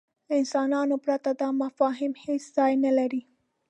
له انسانانو پرته دا مفاهیم هېڅ ځای نهلري.